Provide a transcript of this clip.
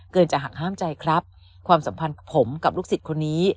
จะหักห้ามใจครับความสัมพันธ์ผมกับลูกศิษย์คนนี้